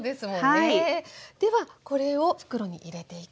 ではこれを袋に入れていきます。